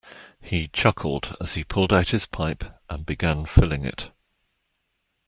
He chuckled as he pulled out his pipe and began filling it.